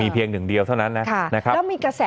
เสียชีวิต